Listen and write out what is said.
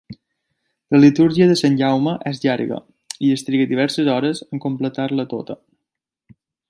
La "Litúrgia de Sant Jaume" és llarga, i es triga diverses hores en completar-la tota.